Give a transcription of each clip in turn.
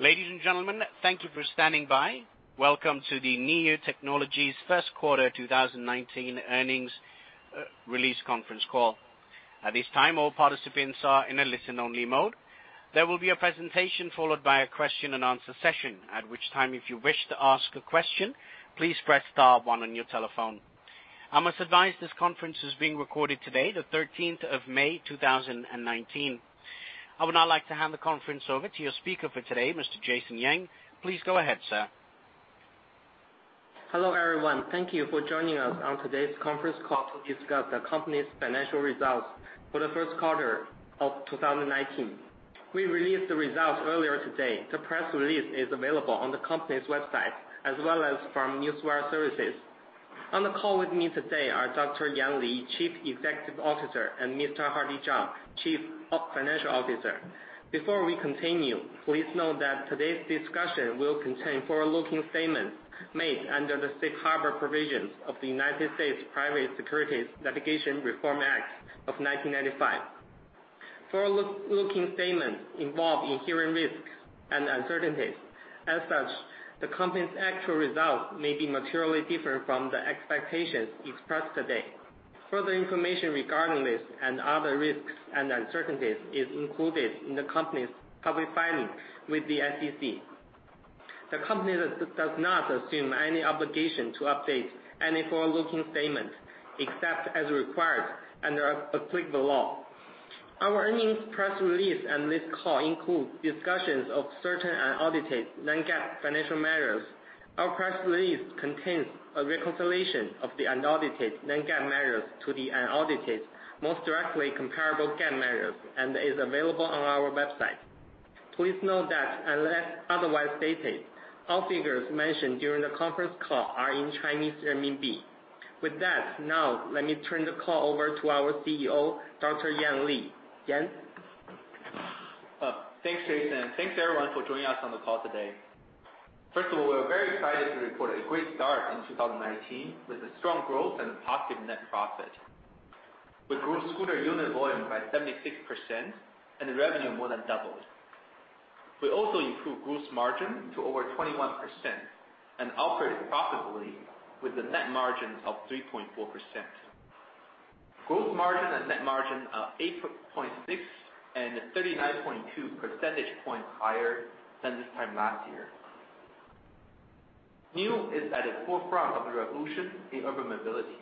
Ladies and gentlemen, thank you for standing by. Welcome to the Niu Technologies first quarter 2019 earnings release conference call. At this time, all participants are in a listen-only mode. There will be a presentation, followed by a question-and-answer session. At which time if you wish to ask a question, please press star one on your telephone. I must advise this conference is being recorded today, the 13th of May 2019. I would now like to hand the conference over to your speaker for today, Mr. Jason Yang. Please go ahead, sir. Hello, everyone. Thank you for joining us on today's conference call to discuss the company's financial results for the first quarter of 2019. We released the results earlier today. The press release is available on the company's website, as well as from Newswire services. On the call with me today are Dr. Yan Li, Chief Executive Officer, and Mr. Hardy Zhang, Chief Financial Officer. Before we continue, please note that today's discussion will contain forward-looking statements made under the Safe Harbor Provisions of the United States Private Securities Litigation Reform Act of 1995. Forward-looking statements involve inherent risks and uncertainties. As such, the company's actual results may be materially different from the expectations expressed today. Further information regarding this and other risks and uncertainties is included in the company's public filings with the SEC. The company does not assume any obligation to update any forward-looking statements, except as required under applicable law. Our earnings press release and this call include discussions of certain unaudited non-GAAP financial measures. Our press release contains a reconciliation of the unaudited non-GAAP measures to the unaudited most directly comparable GAAP measures, and is available on our website. Please note that unless otherwise stated, all figures mentioned during the conference call are in Chinese renminbi. With that, now let me turn the call over to our CEO, Dr. Yan Li. Yan? Thanks, Jason. Thanks, everyone, for joining us on the call today. First of all, we are very excited to report a great start in 2019, with a strong growth and a positive net profit. We grew scooter unit volume by 76%, and the revenue more than doubled. We also improved gross margin to over 21%, and operated profitably with a net margin of 3.4%. Gross margin and net margin are 8.6 and 39.2 percentage points higher than this time last year. Niu is at the forefront of the revolution in urban mobility,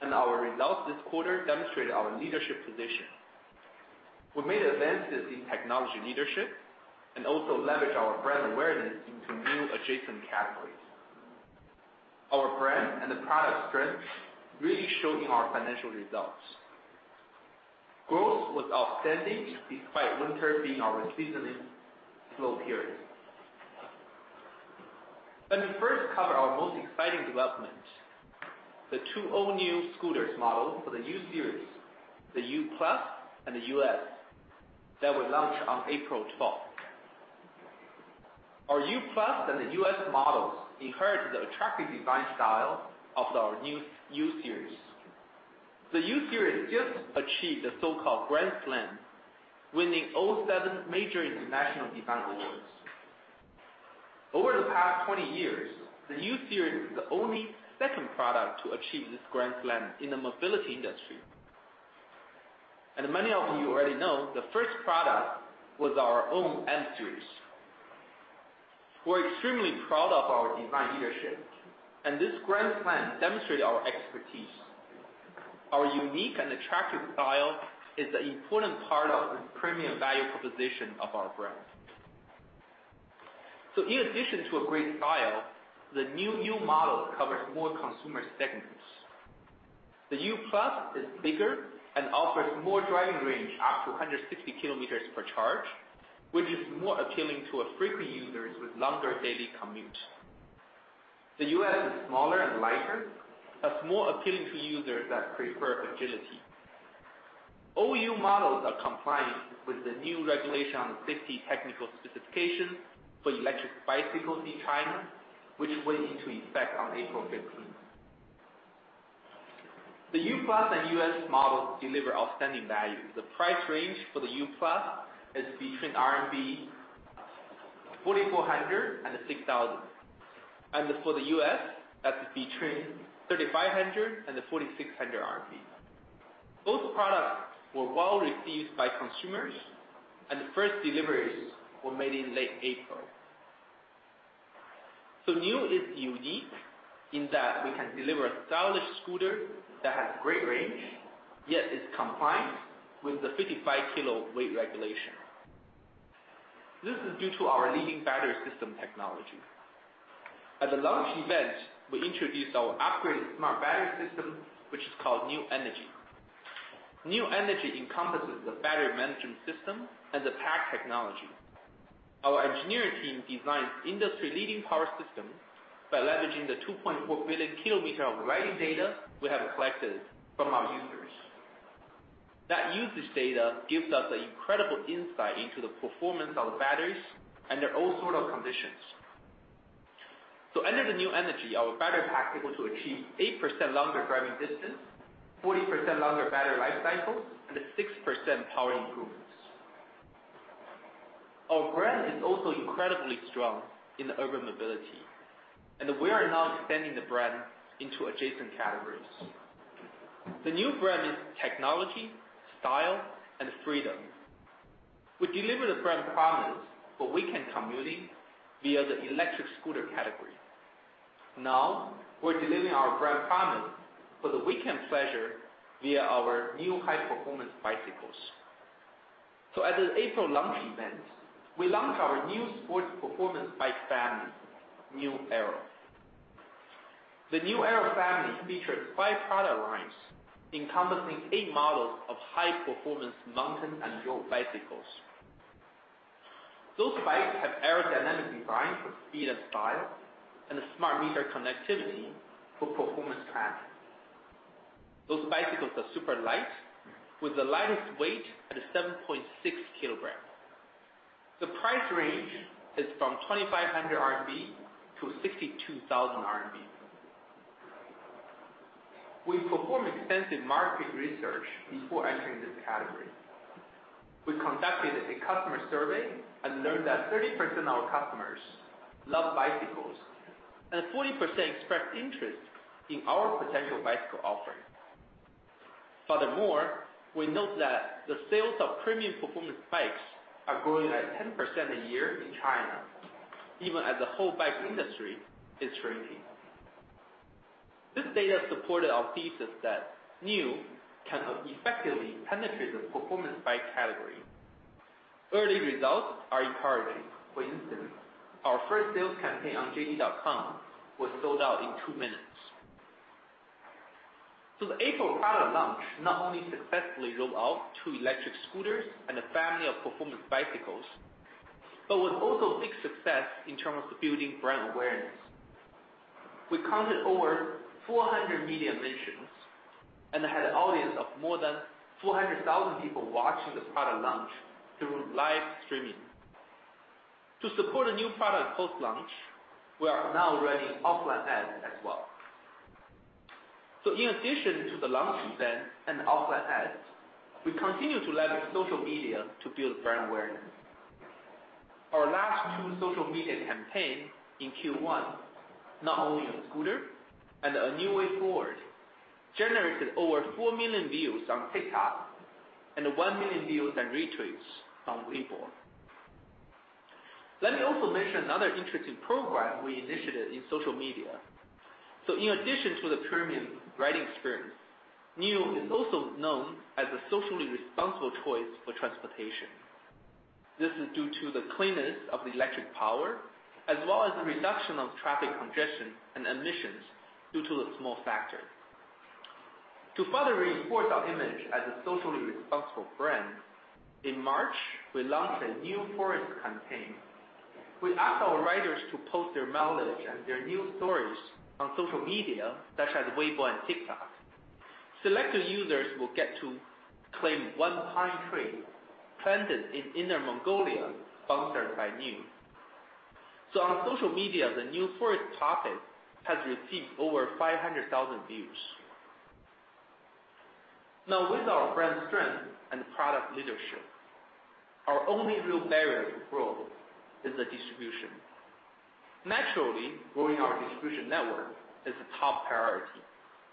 and our results this quarter demonstrate our leadership position. We made advances in technology leadership and also leveraged our brand awareness into new adjacent categories. Our brand and the product strength really show in our financial results. Growth was outstanding despite winter being our seasonally slow period. Let me first cover our most exciting development, the two all-new scooters models for the U Series, the UQi+ and the UQi S, that we launched on April 12th. Our UQi+ and the UQi S models inherit the attractive design style of our new U Series. The U Series just achieved the so-called Grand Slam, winning all seven major international design awards. Over the past 20 years, the U Series is the only second product to achieve this Grand Slam in the mobility industry. Many of you already know, the first product was our own M-Series. We're extremely proud of our design leadership, and this Grand Slam demonstrates our expertise. Our unique and attractive style is an important part of the premium value proposition of our brand. In addition to a great style, the new U model covers more consumer segments. The UQi+ is bigger and offers more driving range, up to 160 km per charge, which is more appealing to our frequent users with longer daily commutes. The UQi S is smaller and lighter, thus more appealing to users that prefer agility. All U models are compliant with the new regulation on the Safety technical specification for electric bicycles in China, which went into effect on April 15th. The UQi+ and UQi S models deliver outstanding value. The price range for the UQi+ is between 4,400-6,000 RMB. For the UQi S, that's between 3,500-4,600 RMB. Both products were well received by consumers, and the first deliveries were made in late April. Niu is unique in that we can deliver a stylish scooter that has great range, yet is compliant with the 55 kg weight regulation. This is due to our leading battery system technology. At the launch event, we introduced our upgraded smart battery system, which is called NIU Energy. NIU Energy encompasses the battery management system and the pack technology. Our engineering team designs industry-leading power systems by leveraging the 2.4 billion km of riding data we have collected from our users. That usage data gives us an incredible insight into the performance of the batteries under all sort of conditions. Under the NIU Energy, our battery pack is able to achieve 8% longer driving distance, 40% longer battery life cycles, and a 6% power improvements. Our brand is also incredibly strong in urban mobility, and we are now extending the brand into adjacent categories. The new brand is technology, style, and freedom. We deliver the brand promise for weekend commuting via the electric scooter category. Now, we're delivering our brand promise for the weekend pleasure via our new high-performance bicycles. At the April launch event, we launched our new sports performance bike family, NIU AERO. The NIU AERO family features five product lines encompassing eight models of high-performance mountain and road bicycles. Those bikes have aerodynamic design for speed and style, and a smart meter connectivity for performance tracking. Those bicycles are super light, with the lightest weight at 7.6 kg. The price range is from 2,500-62,000 RMB. We performed extensive market research before entering this category. We conducted a customer survey and learned that 30% of our customers love bicycles, and 40% expressed interest in our potential bicycle offering. Furthermore, we note that the sales of premium performance bikes are growing at 10% a year in China, even as the whole bike industry is shrinking. This data supported our thesis that Niu can effectively penetrate the performance bike category. Early results are encouraging. Our first sales campaign on JD.com was sold out in two minutes. The April product launch not only successfully rolled out two electric scooters and a family of performance bicycles, but was also a big success in terms of building brand awareness. We counted over 400 media mentions and had an audience of more than 400,000 people watching the product launch through live streaming. To support a new product post-launch, we are now running offline ads as well. In addition to the launch event and the offline ads, we continue to leverage social media to build brand awareness. Our last two social media campaign in Q1, Not Only a Scooter and A Niu Way Forward, generated over 4 million views on TikTok and 1 million views and retweets on Weibo. Let me also mention another interesting program we initiated in social media. In addition to the premium riding experience, Niu is also known as a socially responsible choice for transportation. This is due to the cleanness of the electric power, as well as the reduction of traffic congestion and emissions due to the small factor. To further reinforce our image as a socially responsible brand, in March, we launched a NIU Forest campaign. We asked our riders to post their mileage and their Niu stories on social media, such as Weibo and TikTok. Selected users will get to claim one pine tree planted in Inner Mongolia, sponsored by Niu. On social media, the NIU Forest topic has received over 500,000 views. With our brand strength and product leadership, our only real barrier to growth is the distribution. Naturally, growing our distribution network is a top priority.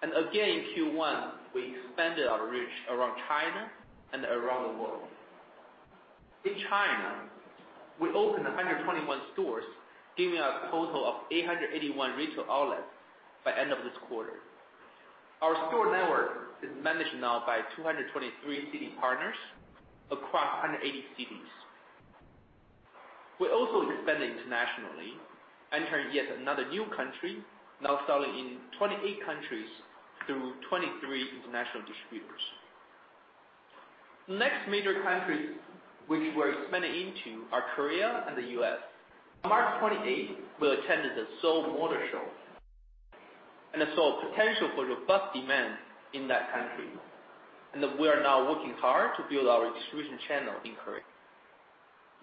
Again, in Q1, we expanded our reach around China and around the world. In China, we opened 121 stores, giving a total of 881 retail outlets by end of this quarter. Our store network is managed now by 223 city partners across 180 cities. We're also expanding internationally, entering yet another new country, now selling in 28 countries through 23 international distributors. The next major countries which we're expanding into are Korea and the U.S. On March 28th, we attended the Seoul Motor Show and saw potential for robust demand in that country. We are now working hard to build our distribution channel in Korea.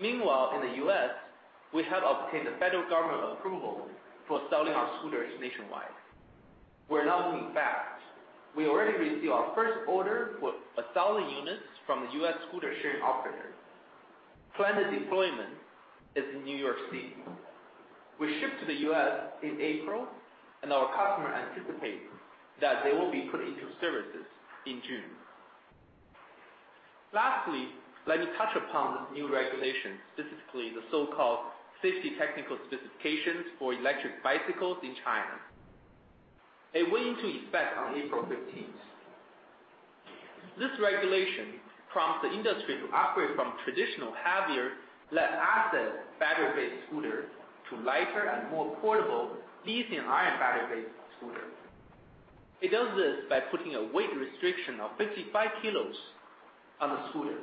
Meanwhile, in the U.S., we have obtained the federal government approval for selling our scooters nationwide. We're not looking back. We already received our first order for 1,000 units from the U.S. scooter sharing operator. Planned deployment is in New York City. We ship to the U.S. in April. Our customer anticipates that they will be put into services in June. Lastly, let me touch upon the new regulations, specifically the so-called Safety technical specification for electric bicycles in China. It went into effect on April 15th. This regulation prompts the industry to operate from traditional, heavier, lead-acid battery-based scooters to lighter and more portable lithium-ion battery-based scooters. It does this by putting a weight restriction of 55 kilos on the scooter.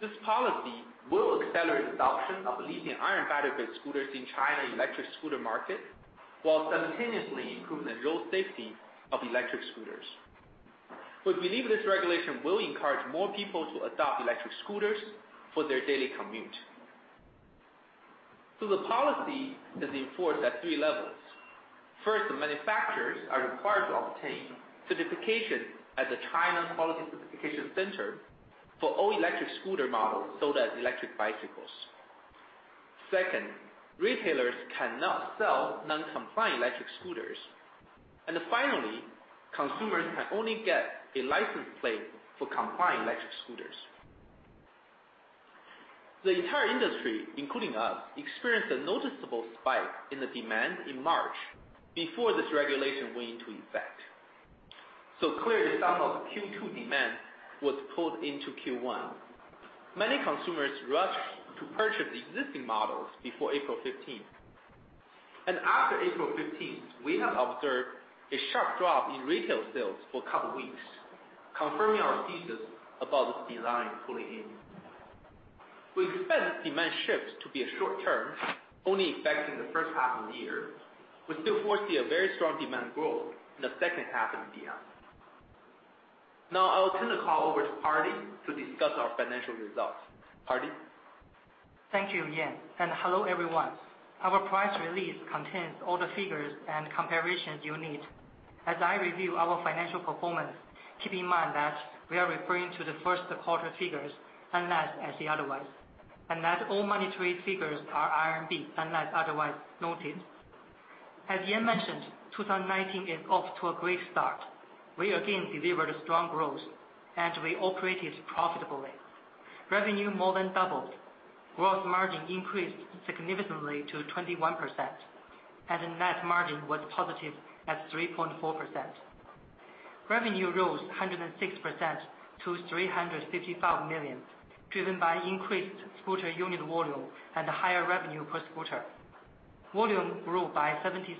This policy will accelerate adoption of lithium-ion battery-based scooters in China electric scooter market, while simultaneously improving the road safety of electric scooters. We believe this regulation will encourage more people to adopt electric scooters for their daily commute. The policy is enforced at three levels. First, the manufacturers are required to obtain certification at the China Quality Certification Center for all electric scooter models sold as electric bicycles. Finally, consumers can only get a license plate for compliant electric scooters. The entire industry, including us, experienced a noticeable spike in the demand in March before this regulation went into effect. Clearly, some of the Q2 demand was pulled into Q1. Many consumers rushed to purchase existing models before April 15th. After April 15th, we have observed a sharp drop in retail sales for a couple weeks, confirming our thesis about this demand pulling in. We expect this demand shift to be a short-term, only affecting the first half of the year. We still foresee a very strong demand growth in the second half of the year. I will turn the call over to Hardy to discuss our financial results. Hardy? Thank you, Yan, and hello, everyone. Our press release contains all the figures and comparisons you need. As I review our financial performance, keep in mind that we are referring to the first quarter figures, unless otherwise noted. All monetary figures are RMB, unless otherwise noted. As Yan mentioned, 2019 is off to a great start. We again delivered a strong growth. We operated profitably. Revenue more than doubled. Gross margin increased significantly to 21%. Net margin was positive at 3.4%. Revenue rose 106% to 355 million, driven by increased scooter unit volume and higher revenue per scooter. Volume grew by 76%,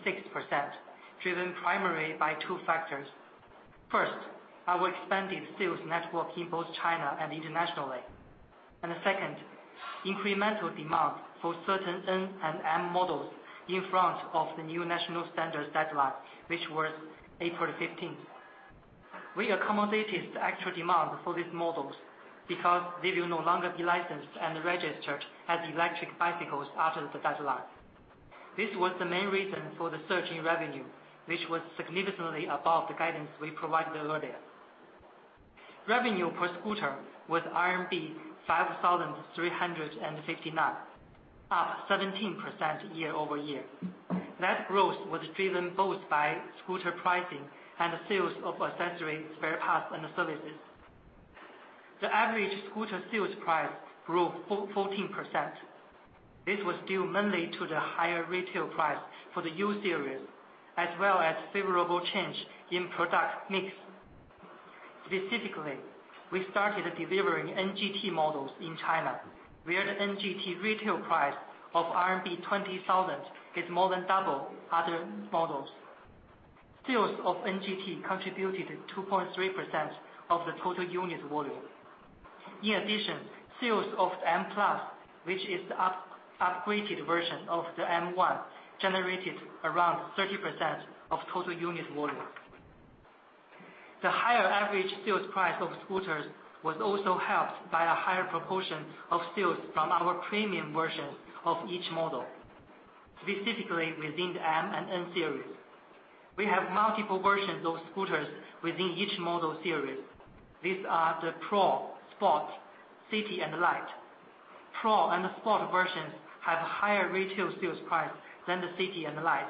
driven primarily by two factors. First, our expanded sales network in both China and internationally. Second, incremental demand for certain N and M models in front of the new national standards deadline, which was April 15th. We accommodated the actual demand for these models because they will no longer be licensed and registered as electric bicycles after the deadline. This was the main reason for the surge in revenue, which was significantly above the guidance we provided earlier. Revenue per scooter was RMB 5,359, up 17% year-over-year. That growth was driven both by scooter pricing and the sales of accessories, spare parts, and services. The average scooter sales price grew 14%. This was due mainly to the higher retail price for the U-Series, as well as favorable change in product mix. Specifically, we started delivering NGT models in China, where the NGT retail price of RMB 20,000 is more than double other models. Sales of NGT contributed 2.3% of the total unit volume. In addition, sales of M+, which is the upgraded version of the M1, generated around 30% of total unit volume. The higher average sales price of scooters was also helped by a higher proportion of sales from our premium versions of each model, specifically within the M-Series and N-Series. We have multiple versions of scooters within each model series. These are the Pro, Sport, City, and Lite. Pro and the Sport versions have higher retail sales price than the City and the Lite.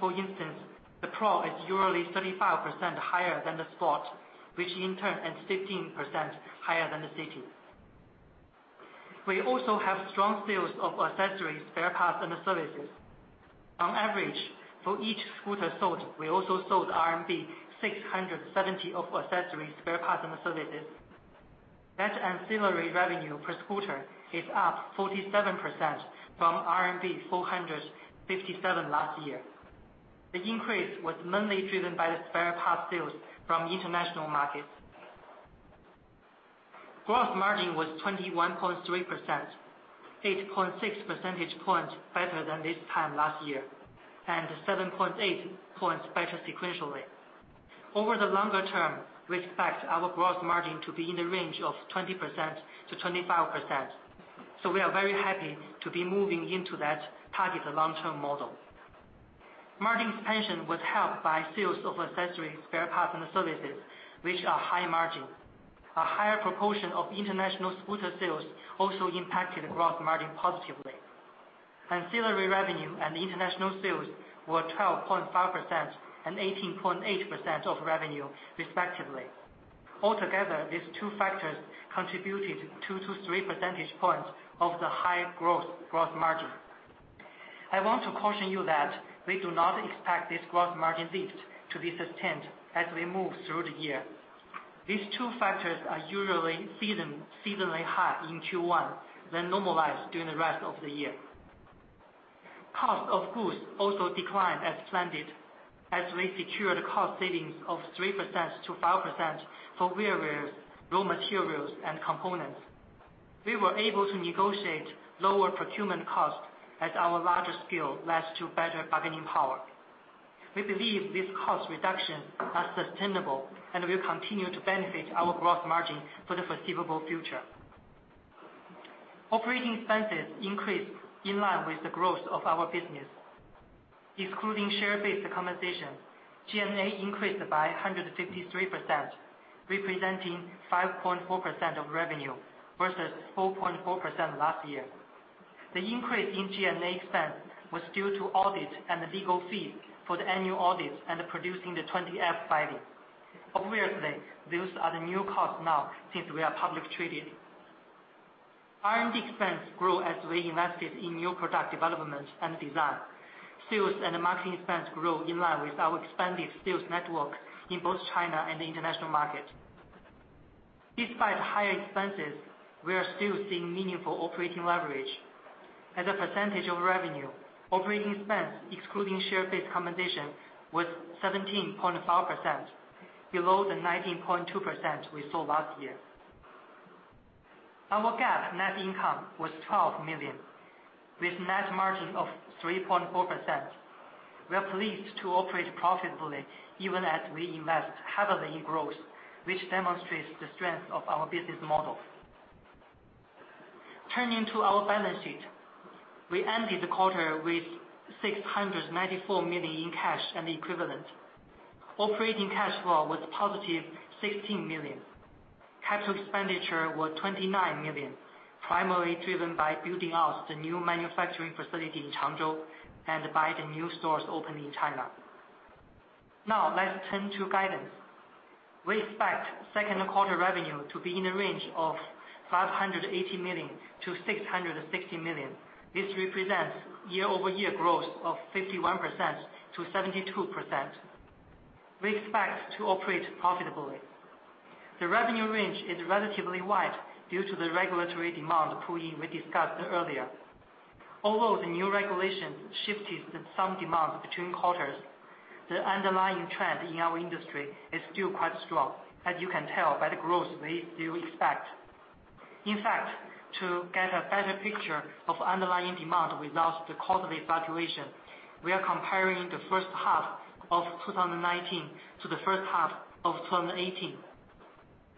For instance, the Pro is usually 35% higher than the Sport, which in turn is 15% higher than the City. We also have strong sales of accessories, spare parts, and services. On average, for each scooter sold, we also sold RMB 670 of accessories, spare parts, and services. That ancillary revenue per scooter is up 47% from RMB 457 last year. The increase was mainly driven by the spare parts sales from international markets. Gross margin was 21.3%, 8.6 percentage points better than this time last year, and 7.8 points better sequentially. Over the longer term, we expect our gross margin to be in the range of 20%-25%. We are very happy to be moving into that targeted long-term model. Margin expansion was helped by sales of accessories, spare parts, and services, which are high margin. A higher proportion of international scooter sales also impacted gross margin positively. Ancillary revenue and international sales were 12.5% and 18.8% of revenue, respectively. Altogether, these two factors contributed two to three percentage points of the high growth, gross margin. I want to caution you that we do not expect this gross margin lift to be sustained as we move through the year. These two factors are usually seasonally high in Q1, then normalize during the rest of the year. Cost of goods also declined as planned, as we secured cost savings of 3%-5% for various, raw materials, and components. We were able to negotiate lower procurement costs as our larger scale leads to better bargaining power. We believe these cost reductions are sustainable and will continue to benefit our growth margin for the foreseeable future. Operating expenses increased in line with the growth of our business. Excluding share-based compensation, G&A increased by 153%, representing 5.4% of revenue, versus 4.4% last year. The increase in G&A expense was due to audit and legal fees for the annual audit and producing the 20F filing. Obviously, those are the new costs now since we are publicly traded. R&D expense grew as we invested in new product development and design. Sales and marketing expense grew in line with our expanded sales network in both China and the international market. Despite higher expenses, we are still seeing meaningful operating leverage. As a percentage of revenue, operating expense, excluding share-based compensation, was 17.4%, below the 19.2% we saw last year. Our GAAP net income was 12 million, with net margin of 3.4%. We are pleased to operate profitably even as we invest heavily in growth, which demonstrates the strength of our business model. Turning to our balance sheet. We ended the quarter with 694 million in cash and equivalent. Operating cash flow was positive, 16 million. Capital expenditure was 29 million, primarily driven by building out the new manufacturing facility in Changzhou and by the new stores opened in China. Now let's turn to guidance. We expect second quarter revenue to be in the range of 580 million-660 million. This represents year-over-year growth of 51%-72%. We expect to operate profitably. The revenue range is relatively wide due to the regulatory demand pulling we discussed earlier. Although the new regulation shifted some demand between quarters, the underlying trend in our industry is still quite strong, as you can tell by the growth we still expect. In fact, to get a better picture of underlying demand without the quarterly fluctuation, we are comparing the first half of 2019 to the first half of 2018.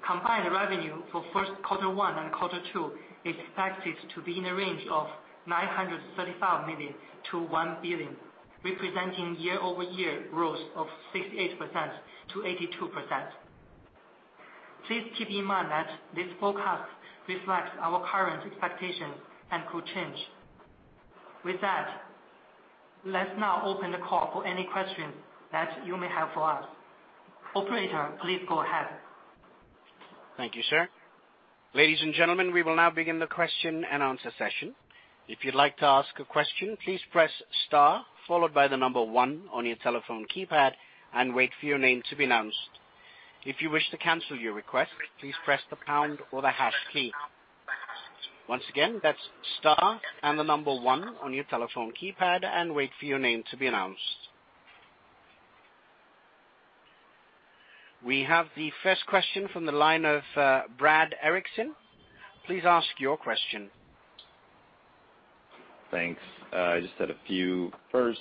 Combined revenue for quarter one and quarter two is expected to be in the range of 935 million-1 billion, representing year-over-year growth of 68%-82%. Please keep in mind that this forecast reflects our current expectations and could change. With that, let's now open the call for any questions that you may have for us. Operator, please go ahead. Thank you, sir. Ladies and gentlemen, we will now begin the question and answer session. If you'd like to ask a question, please press star followed by the number 1 on your telephone keypad and wait for your name to be announced. If you wish to cancel your request, please press the pound or the hash key. Once again, that's star and the number 1 on your telephone keypad, and wait for your name to be announced. We have the first question from the line of Brad Erickson. Please ask your question. Thanks. I just had a few. First,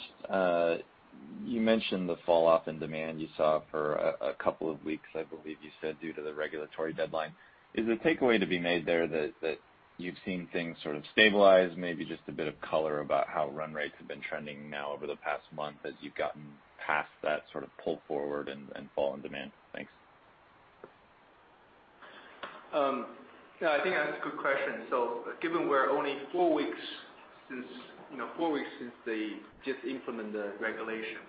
you mentioned the falloff in demand you saw for a couple of weeks, I believe you said, due to the regulatory deadline. Is the takeaway to be made there that you've seen things sort of stabilize? Maybe just a bit of color about how run rates have been trending now over the past month as you've gotten past that sort of pull forward and fall in demand. Thanks. Yeah, I think that's a good question. Given we're only four weeks since they just implement the regulation.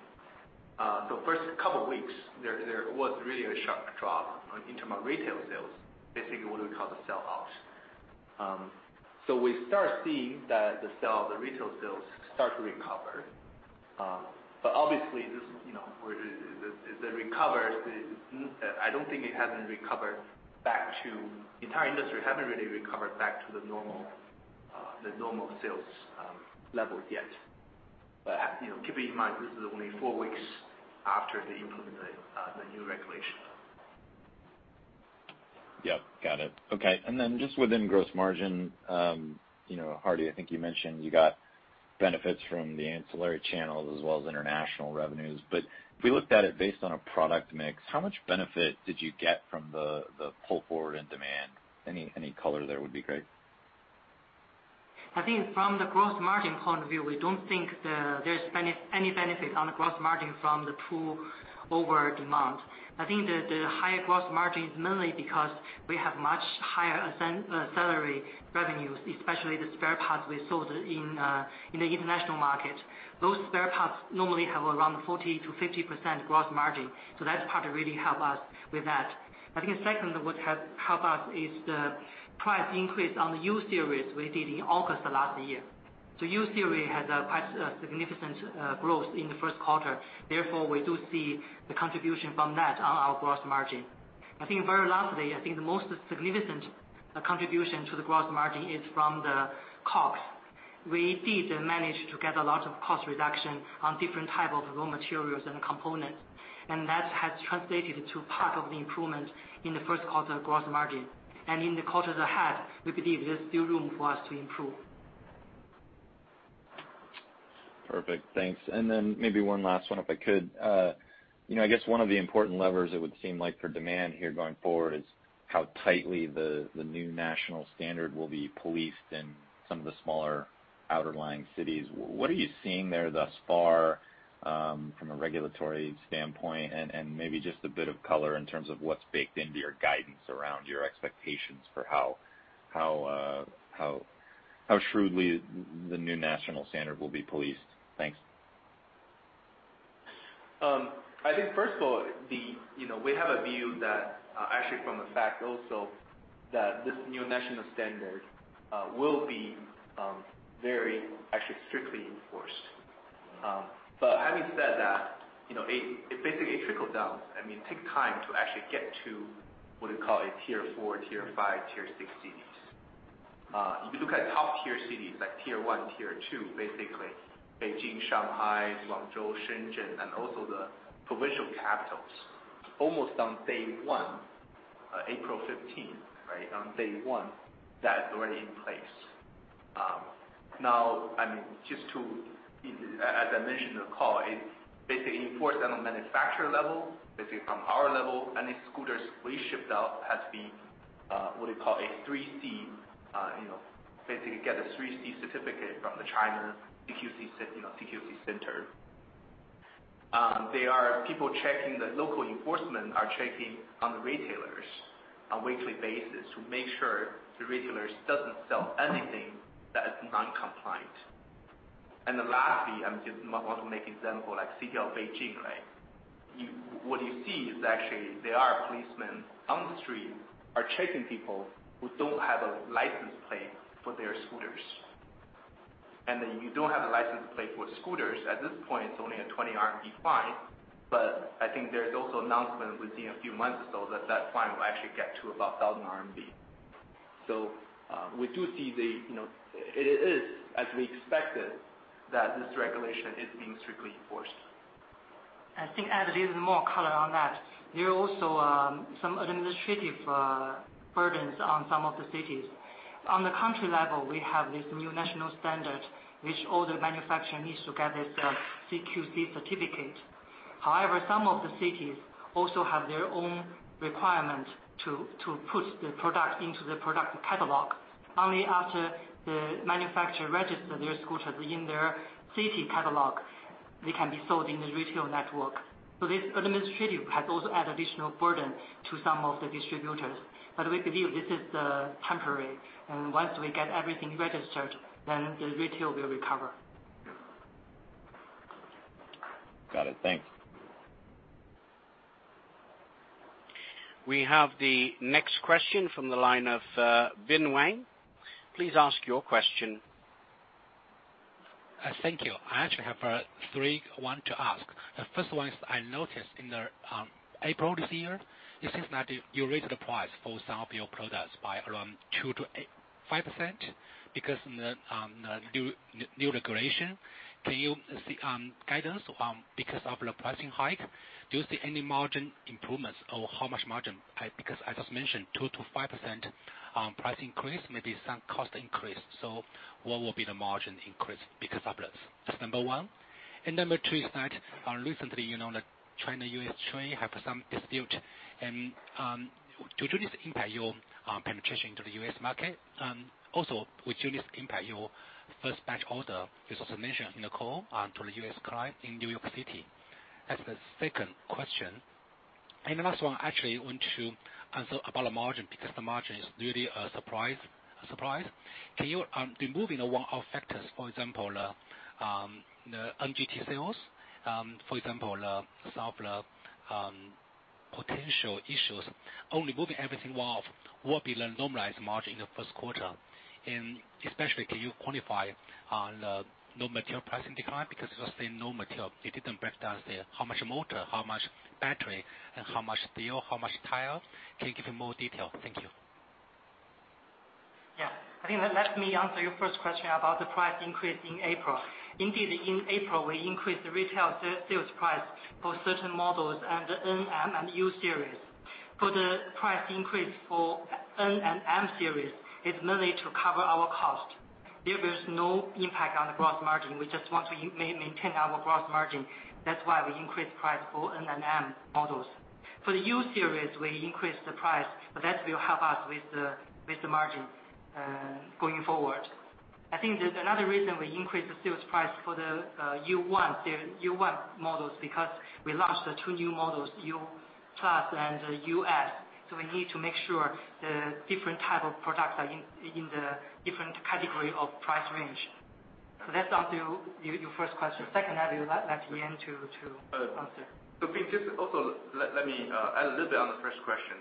The first couple of weeks, there was really a sharp drop in terms of retail sales, basically what we call the sell-out. We start seeing that the retail sales start to recover. Obviously, the entire industry hasn't really recovered back to the normal sales levels yet. Keeping in mind, this is only four weeks after they implement the new regulation. Yep, got it. Okay. Then just within gross margin, Hardy, I think you mentioned you got benefits from the ancillary channels as well as international revenues. If we looked at it based on a product mix, how much benefit did you get from the pull forward in demand? Any color there would be great. I think from the gross margin point of view, we don't think there's any benefit on the gross margin from the pull over demand. I think the higher gross margin is mainly because we have much higher ancillary revenues, especially the spare parts we sold in the international market. Those spare parts normally have around 40% to 50% gross margin. That part really help us with that. I think second, what helped us is the price increase on the U-Series we did in August last year. U-Series has a quite significant growth in the first quarter. Therefore, we do see the contribution from that on our gross margin. I think very lastly, I think the most significant contribution to the gross margin is from the COGS. We did manage to get a lot of cost reduction on different types of raw materials and components, and that has translated to part of the improvement in the first quarter gross margin. In the quarters ahead, we believe there's still room for us to improve. Perfect. Thanks. Maybe one last one, if I could. I guess one of the important levers it would seem like for demand here going forward is how tightly the new national standard will be policed in some of the smaller outer-lying cities. What are you seeing there thus far from a regulatory standpoint? Maybe just a bit of color in terms of what's baked into your guidance around your expectations for how shrewdly the new national standard will be policed. Thanks. I think, first of all, we have a view that, actually from the fact also, that this new national standard will be very strictly enforced. Having said that, it basically trickles down. It takes time to actually get to what you call tier 4, tier 5, tier 6 cities. If you look at top-tier cities, like tier 1, tier 2, basically Beijing, Shanghai, Guangzhou, Shenzhen, and also the provincial capitals, almost on day one, April 15th, on day one, that is already in place. Now, as I mentioned in the call, it's basically enforced on a manufacturer level, basically from our level. Any scooters we ship out has to be what they call a 3C, basically get a 3C certificate from the China CQC Center. There are people checking, the local enforcement are checking on the retailers on a weekly basis to make sure the retailers doesn't sell anything that is non-compliant. Lastly, I just want to make an example, like City of Beijing. What you see is actually, there are policemen on the street, checking people who don't have a license plate for their scooters. You don't have a license plate for scooters, at this point, it's only a 20 RMB fine, but I think there's also announcement within a few months or so that that fine will actually get to about 1,000 RMB. We do see, it is as we expected, that this regulation is being strictly enforced. I think to add a little more color on that. There are also some administrative burdens on some of the cities. On the country level, we have this new national standard, which all the manufacturer needs to get this CQC certificate. However, some of the cities also have their own requirement to put the product into the product catalog. Only after the manufacturer register their scooters in their city catalog, they can be sold in the retail network. This administrative has also added additional burden to some of the distributors. We believe this is temporary, and once we get everything registered, then the retail will recover. Got it. Thanks. We have the next question from the line of Bin Wang. Please ask your question. Thank you. I actually have three I want to ask. The first one is, I noticed in April this year, it seems that you raised the price for some of your products by around 2%-5% because of the new regulation. Can you see guidance because of the pricing hike? Do you see any margin improvements, or how much margin? As mentioned, 2%-5% price increase, maybe some cost increase. What will be the margin increase because of this? That's number one. Number two is that recently, the China-U.S. trade have some dispute. Do you think this impact your penetration to the U.S. market? Also, would this impact your first batch order, which was mentioned in the call, to the U.S. client in New York City? That's the second question. The last one, I actually want to ask about the margin, because the margin is really a surprise. Can you, removing one-off factors, for example, the NGT sales, for example, some of the potential issues, only removing everything off, what will be the normalized margin in the first quarter? Especially, can you quantify on the raw material pricing decline, because you were saying raw material, you didn't break down, say, how much motor, how much battery, and how much steel, how much tire. Can you give me more detail? Thank you. Let me answer your first question about the price increase in April. Indeed, in April, we increased the retail sales price for certain models and the N-Series, M-Series, and U-Series. For the price increase for N-Series and M-Series, it's mainly to cover our cost. There is no impact on the gross margin. We just want to maintain our gross margin. That's why we increased price for N-Series and M-Series models. For the U-Series, we increased the price, that will help us with the margin going forward. There's another reason we increased the sales price for the U1 models, because we launched the two new models, UQi+ and UQi S, we need to make sure the different type of products are in the different category of price range. That answers your first question. Second, I will let Yan to answer. Bin, just also let me add a little bit on the first question.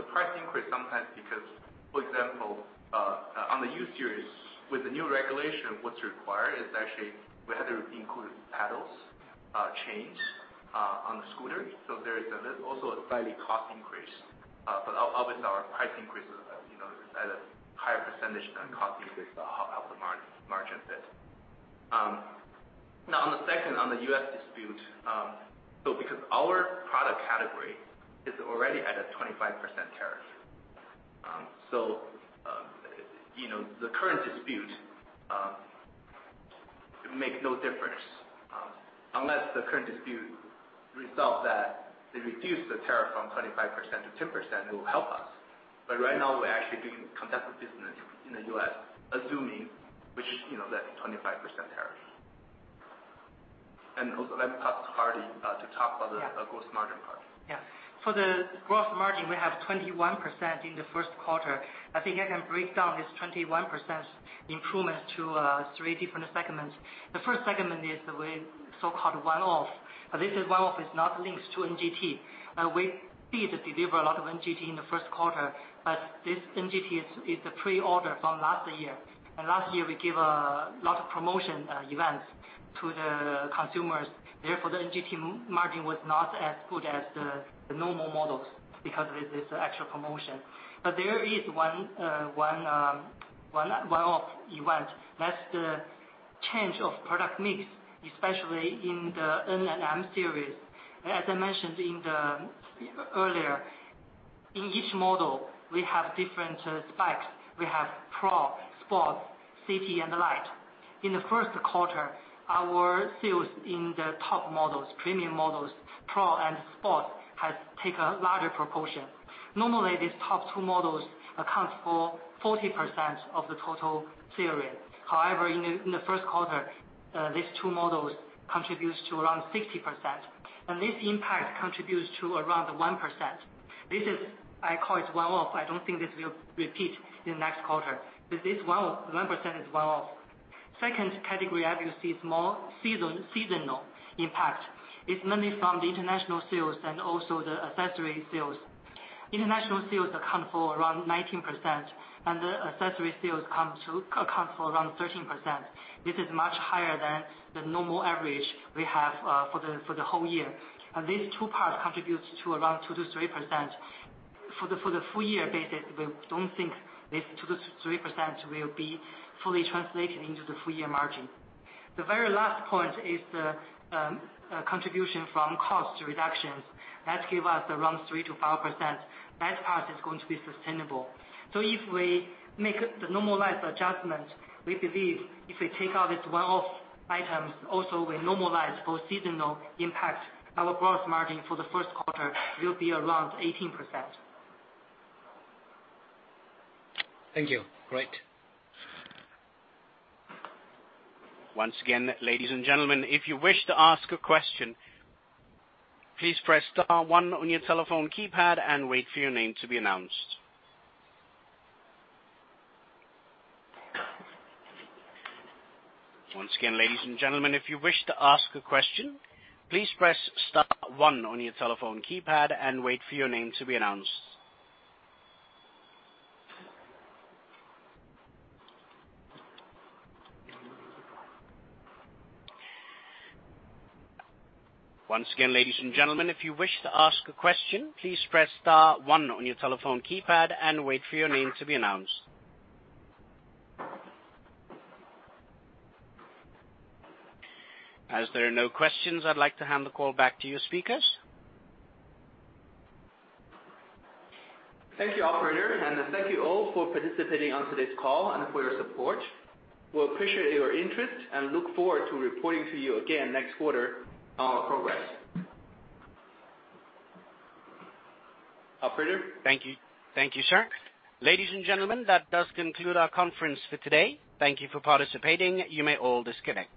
The price increase sometimes because, for example, on the U-Series, with the new regulation, what's required is actually we had to include pedal on the scooters. Obviously, our price increases is at a higher percentage than cost increase to help the margin a bit. On the second, on the U.S. dispute, because our product category is already at a 25% tariff. The current dispute, makes no difference, unless the current dispute results that they reduce the tariff from 25%-10%, it will help us. Right now, we're actually doing competitive business in the U.S., assuming we just let the 25% tariff. Also let me pass to Hardy to talk about the- Yeah gross margin part. Yeah. For the gross margin, we have 21% in the first quarter. I think I can break down this 21% improvements to three different segments. The first segment is the way so-called one-off. This one-off is not linked to NGT. We did deliver a lot of NGT in the first quarter, but this NGT is a pre-order from last year. Last year, we give a lot of promotion events to the consumers, therefore the NGT margin was not as good as the normal models because of this actual promotion. There is one one-off event, that's the change of product mix, especially in the N-Series and M-Series. As I mentioned earlier, in each model, we have different specs. We have Pro, Sport, City, and Lite. In the first quarter, our sales in the top models, premium models, Pro and Sport, has take a larger proportion. Normally, these top two models account for 40% of the total series. However, in the first quarter, these two models contributes to around 60%, and this impact contributes to around 1%. This is, I call it one-off. I don't think this will repeat in next quarter. This 1% is one-off. Second category, as you see, is more seasonal impact. It's mainly from the international sales and also the accessory sales. International sales account for around 19%, and the accessory sales account for around 13%. This is much higher than the normal average we have for the whole year. These two parts contributes to around 2%-3%. For the full year basis, we don't think this 2%-3% will be fully translated into the full year margin. The very last point is the contribution from cost reductions. That give us around 3%-5%. That part is going to be sustainable. If we make the normalized adjustment, we believe if we take out these one-off items, also we normalize for seasonal impact, our gross margin for the first quarter will be around 18%. Thank you. Great. Once again, ladies and gentlemen, if you wish to ask a question, please press star one on your telephone keypad and wait for your name to be announced. Once again, ladies and gentlemen, if you wish to ask a question, please press star one on your telephone keypad and wait for your name to be announced. Once again, ladies and gentlemen, if you wish to ask a question, please press star one on your telephone keypad and wait for your name to be announced. As there are no questions, I'd like to hand the call back to you speakers. Thank you, operator. Thank you all for participating on today's call and for your support. We appreciate your interest and look forward to reporting to you again next quarter on our progress. Operator? Thank you. Thank you, sir. Ladies and gentlemen, that does conclude our conference for today. Thank you for participating. You may all disconnect.